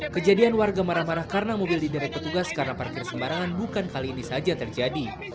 kejadian warga marah marah karena mobil diderek petugas karena parkir sembarangan bukan kali ini saja terjadi